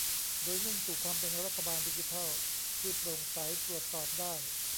โดยมุ่งสู่ความเป็นรัฐบาลดิจิทัลที่โปร่งใสตรวจสอบได้